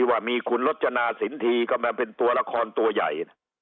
ว่ามีคุณรจนาสินทีก็มาเป็นตัวละครตัวใหญ่